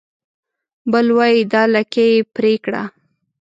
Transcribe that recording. بل وای دا لکۍ يې پرې کړه